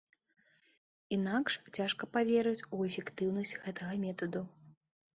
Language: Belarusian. Інакш цяжка паверыць у эфектыўнасць гэтага метаду.